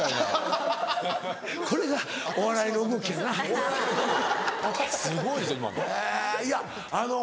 これがお笑いの動きやな。